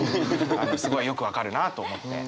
すごいよく分かるなと思って見てました。